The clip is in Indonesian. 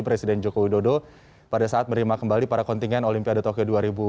presiden joko widodo pada saat menerima kembali para kontingen olimpiade tokyo dua ribu dua puluh